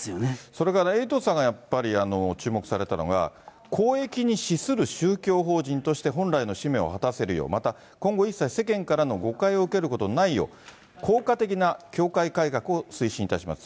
それからエイトさんがやっぱり注目されたのが、公益に資する宗教法人として、本来の使命を果たせるよう、また今後一切、世間からの誤解を受けることのないよう、効果的な教会改革を推進いたします。